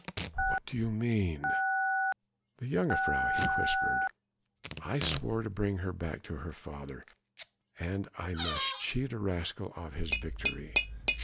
"What do you mean?" "The jongejuffrouw " he whispered, "I swore to bring her back to her father and I must cheat a rascal of his victory.